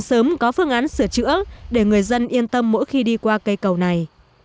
sớm có phương án sửa chữa để người dân yên tâm mỗi khi đi qua cây cầu này